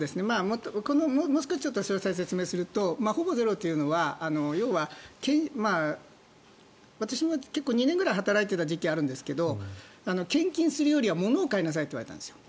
もう少し詳細を説明するとほぼゼロというのは要は私も２年ぐらい働いていた時期があったんですけど献金するよりは物を買いなさいと言われたんです。